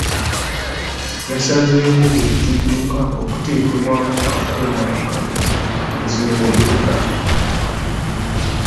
Yasazeewo buli kidduka okuteekebwemu akuuma akazirondoola.